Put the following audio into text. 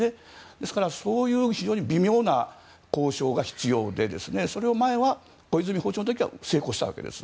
ですから非常に微妙な交渉が必要でそれを前は、小泉訪朝の時は成功したわけです。